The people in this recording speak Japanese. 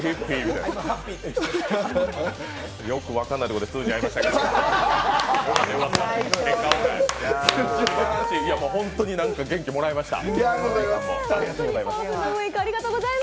よく分かんないところで通じ合いましたけど、結果オーライ本当に何か元気もらいました。